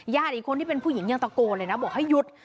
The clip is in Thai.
อีกคนที่เป็นผู้หญิงยังตะโกนเลยนะบอกให้หยุด